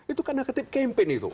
itu kan negatif kempen itu